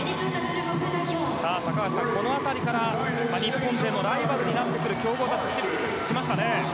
高橋さん、この辺りから日本勢のライバルとなってくる強豪たちが出てきますね。